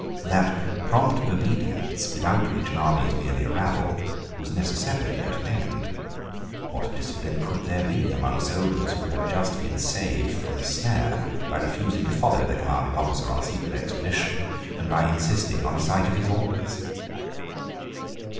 That prompt obedience without which an army is merely a rabble was necessarily at an end. What discipline could there be among soldiers who had just been saved from a snare by refusing to follow their commanding officer on a secret expedition, and by insisting on a sight of his orders?